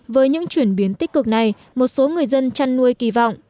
với những chuyển biến tích cực này một số người dân chăn nuôi kỳ vọng